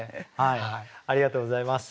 ありがとうございます。